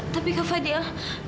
tapi kak fadil